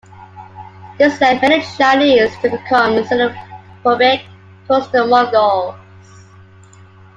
This led many Chinese to become xenophobic towards the Mongols.